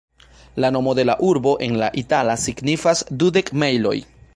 La nomo de la urbo en la itala signifas ""dudek mejloj"".